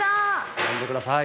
選んでください。